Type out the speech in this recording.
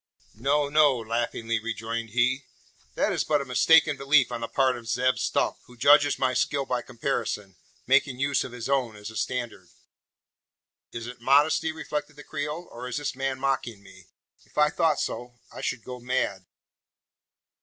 "No, no!" laughingly rejoined he. "That is but a mistaken belief on the part of Zeb Stump, who judges my skill by comparison, making use of his own as a standard." "Is it modesty?" reflected the Creole. "Or is this man mocking me? If I thought so, I should go mad!"